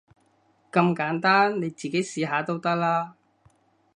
咁簡單，你自己試下都得啦